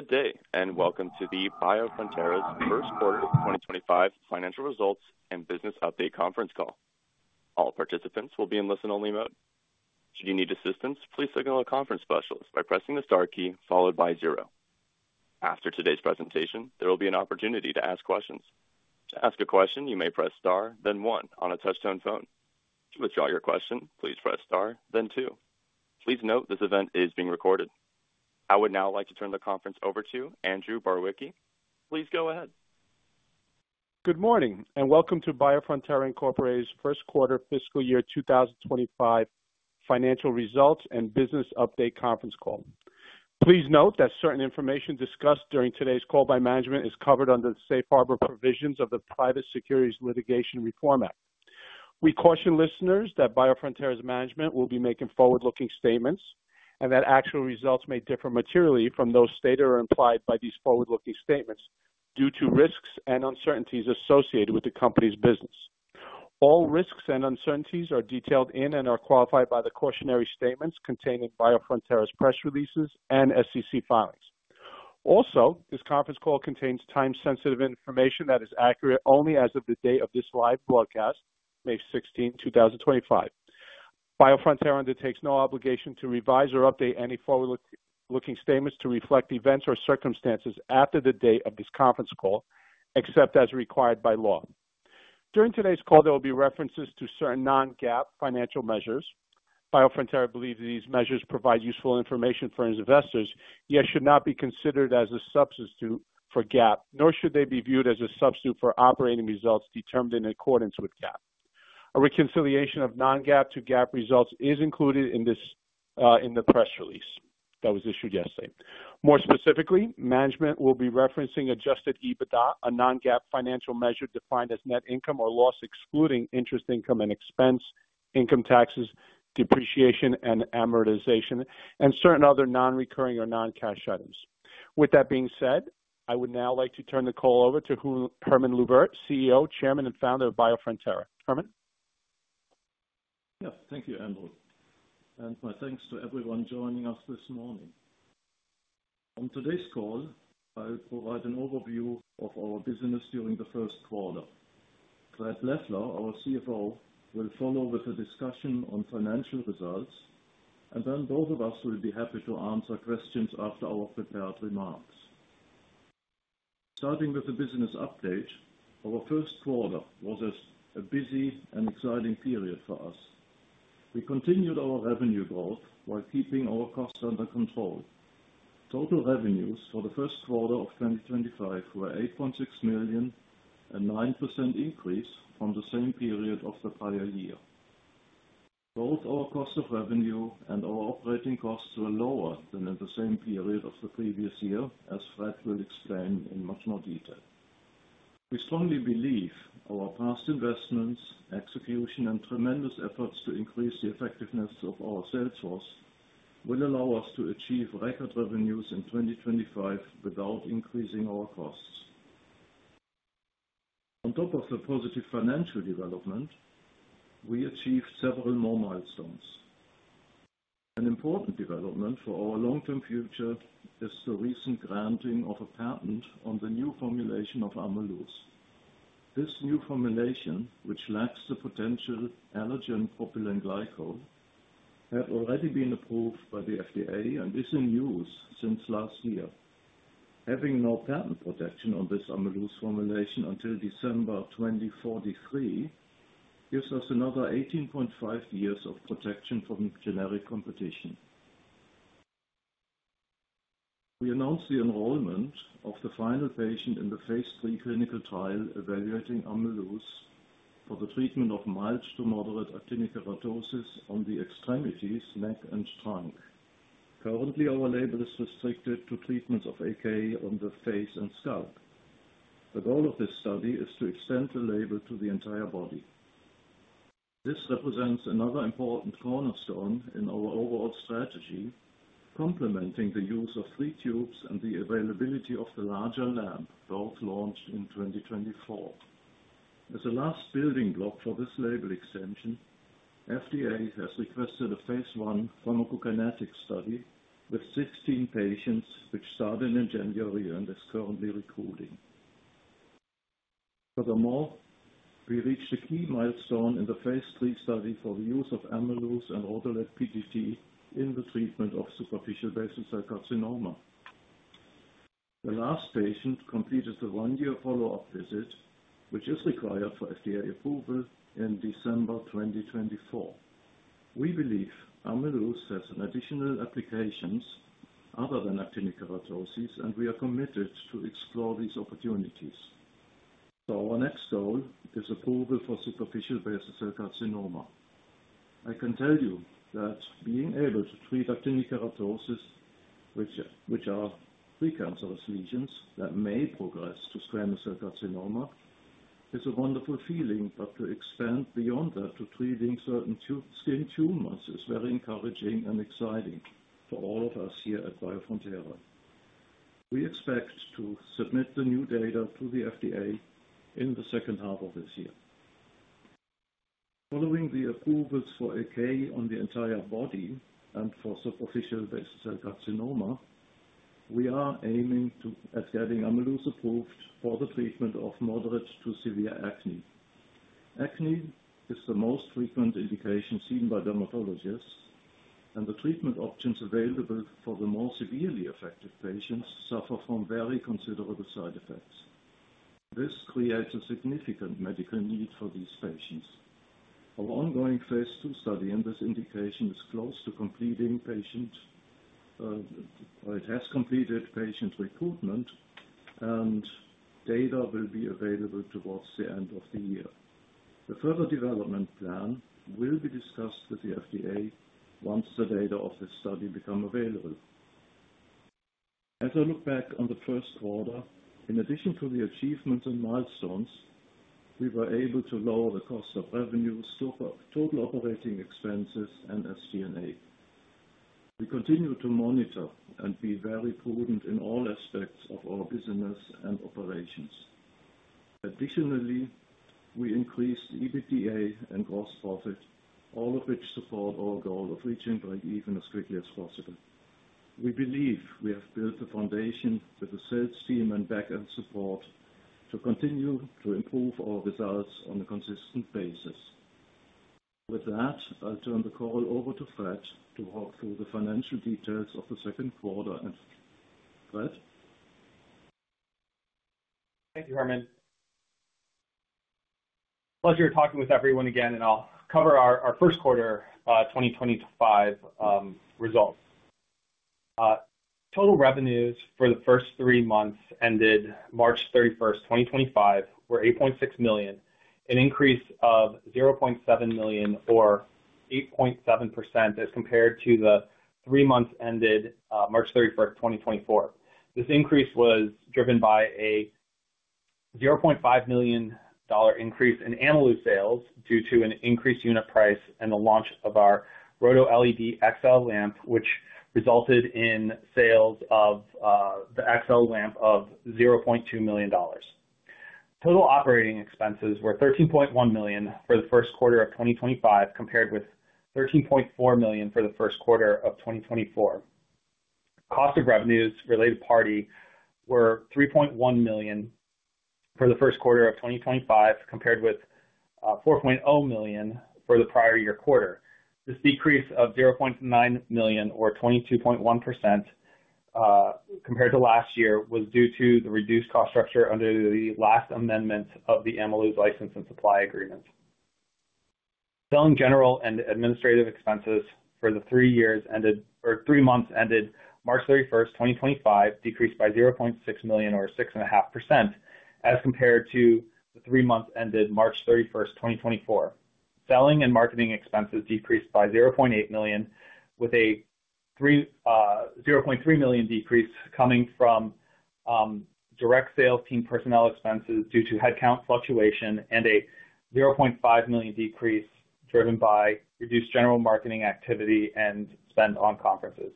Good day, and welcome to the Biofrontera's First Quarter 2025 Financial Results and Business Update Conference Call. All participants will be in listen-only mode. Should you need assistance, please signal a conference specialist by pressing the star key followed by zero. After today's presentation, there will be an opportunity to ask questions. To ask a question, you may press star, then one on a touch-tone phone. To withdraw your question, please press star, then two. Please note this event is being recorded. I would now like to turn the conference over to Andrew Barwicki. Please go ahead. Good morning, and welcome to Biofrontera Incorporated's First Quarter Fiscal Year 2025 Financial Results and Business Update Conference Call. Please note that certain information discussed during today's call by management is covered under the Safe Harbor provisions of the Private Securities Litigation Reform Act. We caution listeners that Biofrontera's management will be making forward-looking statements and that actual results may differ materially from those stated or implied by these forward-looking statements due to risks and uncertainties associated with the company's business. All risks and uncertainties are detailed in and are qualified by the cautionary statements contained in Biofrontera's press releases and SEC filings. Also, this conference call contains time-sensitive information that is accurate only as of the date of this live broadcast, May 16, 2025. Biofrontera undertakes no obligation to revise or update any forward-looking statements to reflect events or circumstances after the date of this conference call, except as required by law. During today's call, there will be references to certain non-GAAP financial measures. Biofrontera believes these measures provide useful information for its investors, yet should not be considered as a substitute for GAAP, nor should they be viewed as a substitute for operating results determined in accordance with GAAP. A reconciliation of non-GAAP to GAAP results is included in the press release that was issued yesterday. More specifically, management will be referencing adjusted EBITDA, a non-GAAP financial measure defined as net income or loss excluding interest income and expense, income taxes, depreciation, and amortization, and certain other non-recurring or non-cash items. With that being said, I would now like to turn the call over to Hermann Luebbert, CEO, Chairman, and Founder of Biofrontera. Hermann. Yes, thank you, Andrew, and my thanks to everyone joining us this morning. On today's call, I will provide an overview of our business during the first quarter. Fred Leffler, our CFO, will follow with a discussion on financial results, and then both of us will be happy to answer questions after our prepared remarks. Starting with the business update, our first quarter was a busy and exciting period for us. We continued our revenue growth while keeping our costs under control. Total revenues for the first quarter of 2025 were $8.6 million and a 9% increase from the same period of the prior year. Both our cost of revenue and our operating costs were lower than in the same period of the previous year, as Fred will explain in much more detail. We strongly believe our past investments, execution, and tremendous efforts to increase the effectiveness of our sales force will allow us to achieve record revenues in 2025 without increasing our costs. On top of the positive financial development, we achieved several more milestones. An important development for our long-term future is the recent granting of a patent on the new formulation of Ameluz. This new formulation, which lacks the potential allergen propylene glycol, had already been approved by the FDA and is in use since last year. Having no patent protection on this Ameluz formulation until December 2043 gives us another 18.5 years of protection from generic competition. We announced the enrollment of the final patient in the phase three clinical trial evaluating Ameluz for the treatment of mild to moderate actinic keratosis on the extremities, neck, and trunk. Currently, our label is restricted to treatments of AK on the face and scalp. The goal of this study is to extend the label to the entire body. This represents another important cornerstone in our overall strategy, complementing the use of three tubes and the availability of the larger lamp, both launched in 2024. As a last building block for this label extension, FDA has requested a phase one pharmacokinetic study with 16 patients, which started in January and is currently recruiting. Furthermore, we reached a key milestone in the phase three study for the use of Ameluz and autolytic PDT in the treatment of superficial basal cell carcinoma. The last patient completed the one-year follow-up visit, which is required for FDA approval in December 2024. We believe Ameluz has additional applications other than actinic keratoses, and we are committed to explore these opportunities. So our next goal is approval for superficial basal cell carcinoma. I can tell you that being able to treat actinic keratoses, which are precancerous lesions that may progress to squamous cell carcinoma, is a wonderful feeling, but to expand beyond that to treating certain skin tumors is very encouraging and exciting for all of us here at Biofrontera. We expect to submit the new data to the FDA in the second half of this year. Following the approvals for AK on the entire body and for superficial basal cell carcinoma, we are aiming to at getting Ameluz approved for the treatment of moderate to severe acne. Acne is the most frequent indication seen by dermatologists, and the treatment options available for the more severely affected patients suffer from very considerable side effects. This creates a significant medical need for these patients. Our ongoing phase two study in this indication is close to completing patient or it has completed patient recruitment, and data will be available towards the end of the year. The further development plan will be discussed with the FDA once the data of this study become available. As I look back on the first quarter, in addition to the achievements and milestones, we were able to lower the cost of revenue, total operating expenses, and SG&A. We continue to monitor and be very prudent in all aspects of our business and operations. Additionally, we increased EBITDA and gross profit, all of which support our goal of reaching break-even as quickly as possible. We believe we have built a foundation with the sales team and back-end support to continue to improve our results on a consistent basis. With that, I'll turn the call over to Fred to walk through the financial details of the second quarter. And Fred? Thank you, Hermann. Pleasure talking with everyone again, and I'll cover our first quarter 2025 results. Total revenues for the first three months ended March 31st, 2025, were $8.6 million, an increase of $0.7 million or 8.7% as compared to the three months ended March 31st, 2024. This increase was driven by a $0.5 million increase in Ameluz sales due to an increased unit price and the launch of our RhodoLED XL lamp, which resulted in sales of the XL lamp of $0.2 million. Total operating expenses were $13.1 million for the first quarter of 2025, compared with $13.4 million for the first quarter of 2024. Cost of revenues related party were $3.1 million for the first quarter of 2025, compared with $4.0 million for the prior year quarter. This decrease of $0.9 million, or 22.1%, compared to last year was due to the reduced cost structure under the last amendment of the Ameluz license and supply agreement. Selling general and administrative expenses for the three years ended or three months ended March 31st, 2025, decreased by $0.6 million, or 6.5%, as compared to the three months ended March 31st, 2024. Selling and marketing expenses decreased by $0.8 million, with a $0.3 million decrease coming from direct sales team personnel expenses due to headcount fluctuation and a $0.5 million decrease driven by reduced general marketing activity and spend on conferences.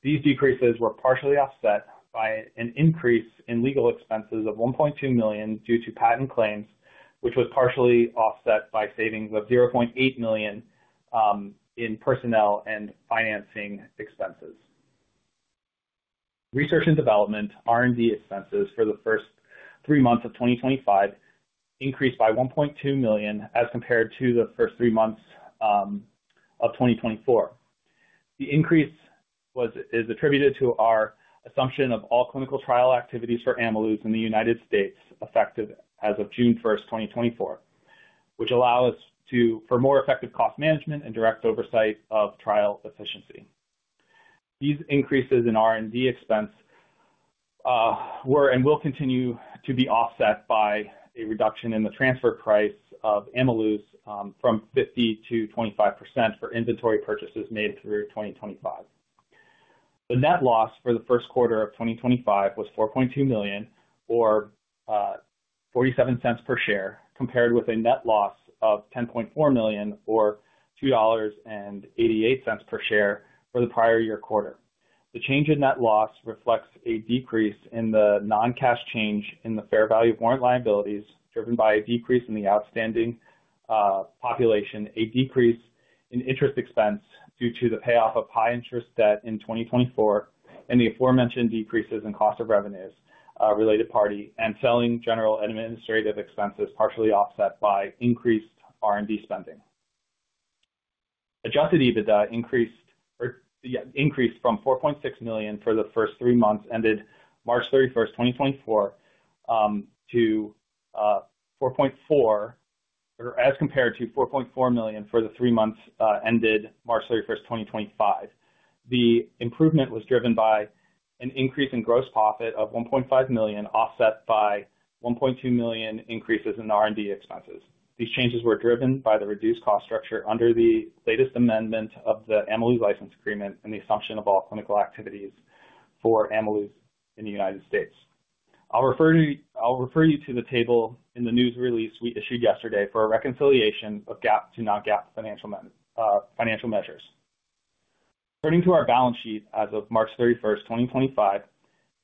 These decreases were partially offset by an increase in legal expenses of $1.2 million due to patent claims, which was partially offset by savings of $0.8 million in personnel and financing expenses. Research and development R&D expenses for the first three months of 2025 increased by $1.2 million as compared to the first three months of 2024. The increase was is attributed to our assumption of all clinical trial activities for Ameluz in the United States effective as of June 1st, 2024, which allows us to for more effective cost management and direct oversight of trial efficiency. These increases in R&D expense were and will continue to be offset by a reduction in the transfer price of Ameluz from 50% to 25% for inventory purchases made through 2025. The net loss for the first quarter of 2025 was $4.2 million, or $0.47 per share, compared with a net loss of $10.4 million, or $2.88 per share for the prior year quarter. The change in net loss reflects a decrease in the non-cash change in the fair value of warrant liabilities driven by a decrease in the outstanding population, a decrease in interest expense due to the payoff of high interest debt in 2024, and the aforementioned decreases in cost of revenues related party and selling general and administrative expenses partially offset by increased R&D spending. Adjusted EBITDA increased or yeah increased from $4.6 million for the first three months ended March 31st, 2024, to $4.4 or as compared to $4.4 million for the three months ended March 31st, 2025. The improvement was driven by an increase in gross profit of $1.5 million offset by $1.2 million increases in R&D expenses. These changes were driven by the reduced cost structure under the latest amendment of the Ameluz license agreement and the assumption of all clinical activities for Ameluz in the United States. I'll refer you to the table in the news release we issued yesterday for a reconciliation of GAAP to non-GAAP financial measures. Turning to our balance sheet as of March 31st, 2025,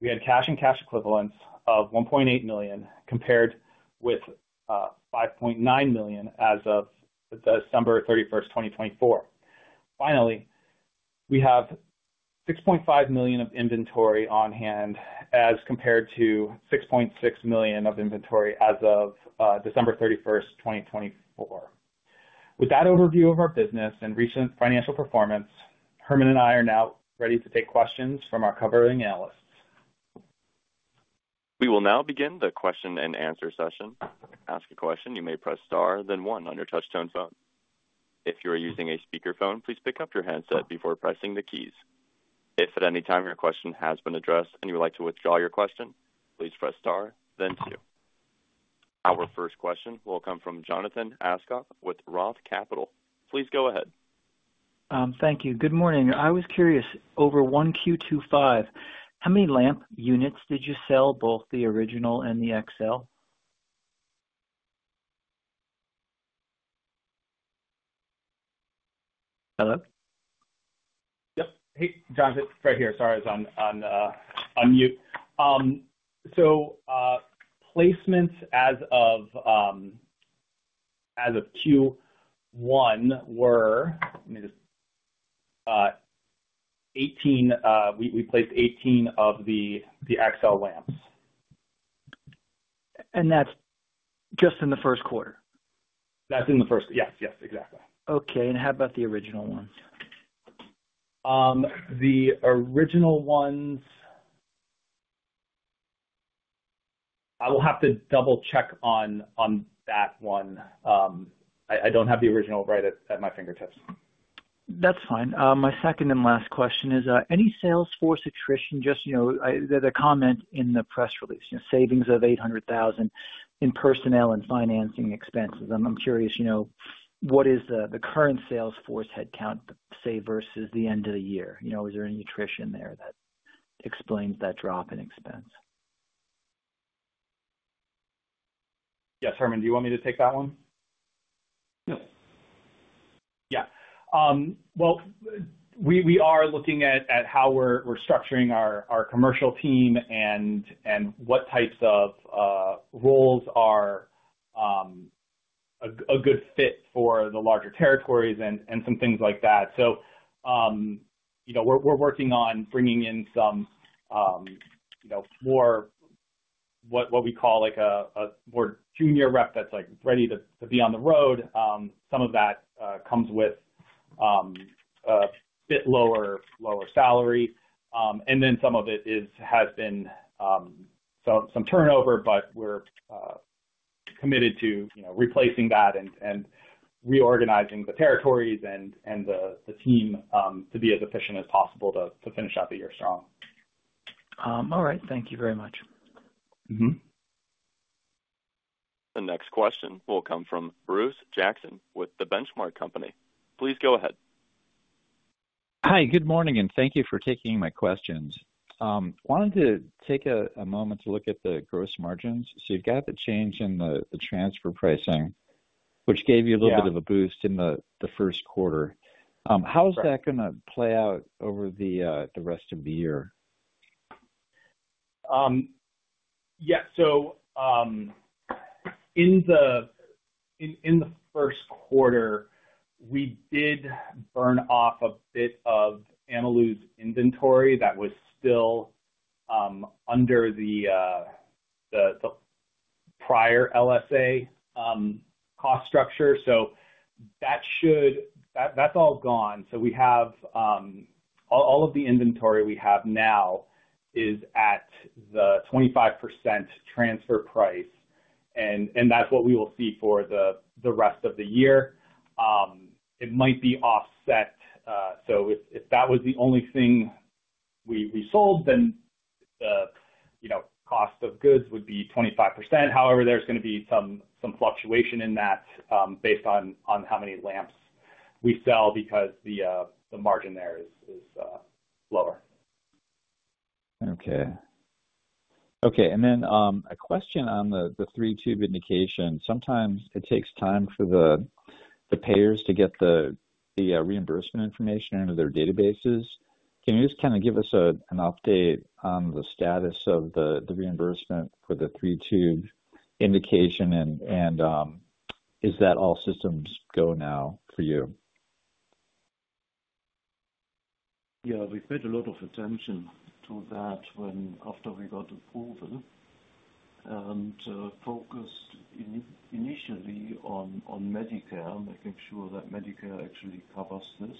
we had cash and cash equivalents of $1.8 million compared with $5.9 million as of December 31st, 2024. Finally, we have $6.5 million of inventory on hand as compared to $6.6 million of inventory as of December 31st, 2024. With that overview of our business and recent financial performance, Hermann and I are now ready to take questions from our covering analysts. We will now begin the question and answer session. To ask a question, you may press star, then one on your touchstone phone. If you are using a speakerphone, please pick up your handset before pressing the keys. If at any time your question has been addressed and you would like to withdraw your question, please press star, then two. Our first question will come from Jonathan Aschoff with Roth Capital. Please go ahead. Thank you. Good morning. I was curious over 1Q 2025, how many lamp units did you sell, both the original and the XL? Hello? Yep. Hey, Jonathan, right here. Sorry, I was on mute. So placements as of Q1 were, let me just 18. We placed 18 of the XL lamps. And that's just in the first quarter? That's in the first. Yes, yes, exactly. Okay. And how about the original ones? The original ones, I will have to double-check on that one. I don't have the original right at my fingertips. That's fine. My second and last question is, any sales force attrition? Just, you know, there's a comment in the press release, you know, savings of $800,000 in personnel and financing expenses. I'm curious, you know, what is the current sales force headcount, say, versus the end of the year? You know, is there any attrition there that explains that drop in expense? Yes, Hermann, do you want me to take that one? Yeah. Yeah. Well, we are looking at how we're structuring our commercial team and what types of roles are a good fit for the larger territories and some things like that. So, you know, we're working on bringing in some, you know, more what we call like a more junior rep that's like ready to be on the road. Some of that comes with a bit lower salary. And then some of it has been some turnover, but we're committed to, you know, replacing that and reorganizing the territories and the team to be as efficient as possible to finish out the year strong. All right. Thank you very much. The next question will come from Bruce Jackson with the Benchmark Company. Please go ahead. Hi, good morning, and thank you for taking my questions. Wanted to take a moment to look at the gross margins. So you've got the change in the transfer pricing, which gave you a little bit of a boost in the first quarter. How is that going to play out over the rest of the year? Yeah. So in the first quarter, we did burn off a bit of Ameluz inventory that was still under the prior LSA cost structure. So that should that's all gone. So we have all of the inventory we have now is at the 25% transfer price. And that's what we will see for the rest of the year. It might be offset. So if that was the only thing we sold, then the, you know, cost of goods would be 25%. However, there's going to be some fluctuation in that based on how many lamps we sell because the margin there is lower. Okay. Okay. And then a question on the three-tube indication. Sometimes it takes time for the payers to get the reimbursement information into their databases. Can you just kind of give us an update on the status of the reimbursement for the three-tube indication, and is that all systems go now for you? Yeah. We paid a lot of attention to that when after we got approval and focused initially on Medicare, making sure that Medicare actually covers this,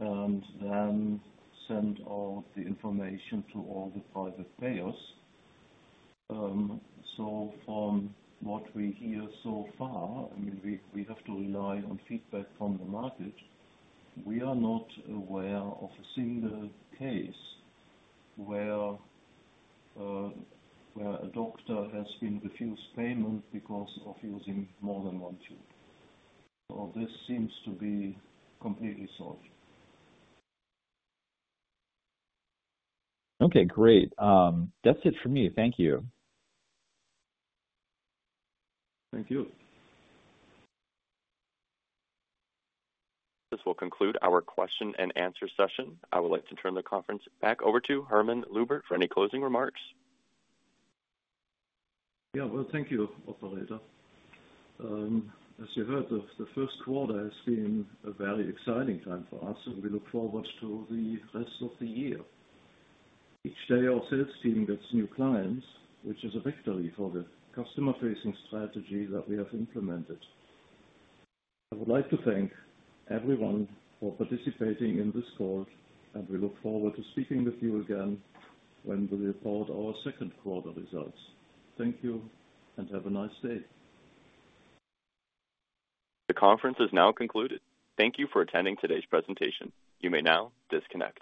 and then sent all the information to all the private payers. So from what we hear so far, I mean, we have to rely on feedback from the market. We are not aware of a single case where a doctor has been refused payment because of using more than one tube. So this seems to be completely solved. Okay. Great. That's it for me. Thank you. Thank you. This will conclude our question and answer session. I would like to turn the conference back over to Hermann Luebbert for any closing remarks. Yeah. Well, thank you, operator. As you heard, the first quarter has been a very exciting time for us, and we look forward to the rest of the year. Each day, our sales team gets new clients, which is a victory for the customer-facing strategy that we have implemented. I would like to thank everyone for participating in this call, and we look forward to speaking with you again when we report our second quarter results. Thank you and have a nice day. The conference is now concluded. Thank you for attending today's presentation. You may now disconnect.